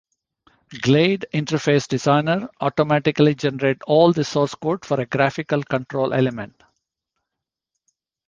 Glade Interface Designer, automatically generate all the source code for a graphical control element.